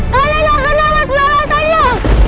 kalian akan alat balasannya